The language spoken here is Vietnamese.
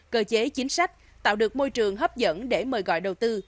cơ chế chính sách tạo được môi trường hấp dẫn để mời gọi đầu tư